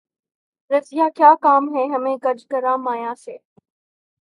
رضیہؔ کیا کام ہمیں گنج گراں مایہ سے